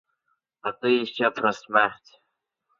А ти іще про смерть.